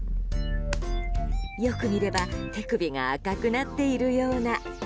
よく見れば手首が赤くなっているような。